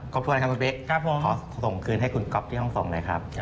บทวนครับคุณบิ๊กขอส่งคืนให้คุณก๊อฟที่ห้องส่งหน่อยครับ